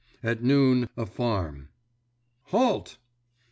At noon, a farm. _Halt!